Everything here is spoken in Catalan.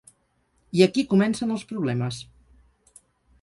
I aquí comencen els problemes.